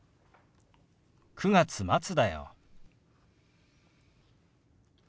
９月末だよ。